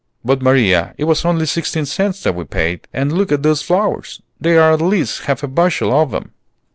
"But, Maria, it was only sixteen cents that we paid, and look at those flowers! There are at least half a bushel of them."